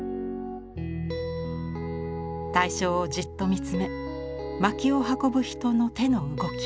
対象をじっと見つめ薪を運ぶ人の手の動き